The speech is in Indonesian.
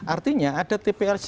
artinya ada tps